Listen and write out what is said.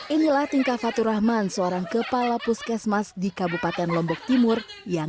inilah tingkah fatur rahman seorang kepala puskesmas di kabupaten lombok timur yang